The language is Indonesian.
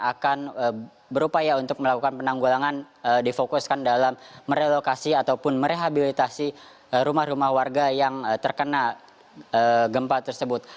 akan berupaya untuk melakukan penanggulangan difokuskan dalam merelokasi ataupun merehabilitasi rumah rumah warga yang terkena gempa tersebut